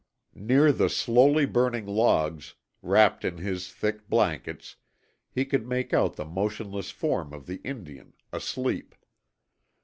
Near the slowly burning logs, wrapped in his thick blankets, he could make out the motionless form of the Indian, asleep.